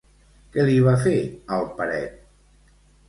Què li va fer al Peret?